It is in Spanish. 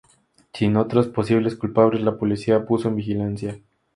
Sin otros posibles culpables, la policía puso en vigilancia.